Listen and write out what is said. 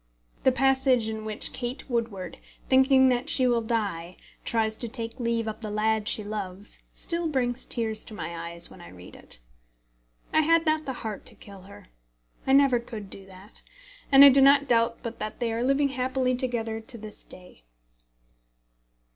The passage in which Kate Woodward, thinking that she will die, tries to take leave of the lad she loves, still brings tears to my eyes when I read it. I had not the heart to kill her. I never could do that. And I do not doubt but that they are living happily together to this day.